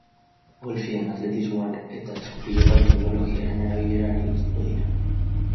Golfean, atletismoan eta esku-pilotan teknologiaren erabileraz arituko dira.